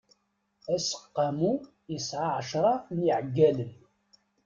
Aseqqamu yesɛa ɛecṛa n iɛeggalen.